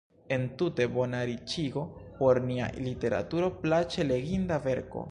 Entute: bona riĉigo por nia literaturo, plaĉe leginda verko.